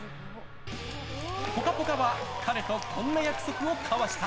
「ぽかぽか」は彼とこんな約束を交わした。